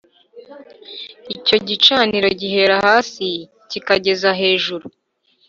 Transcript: icyo gicaniro gihera hasi kikageza hejuru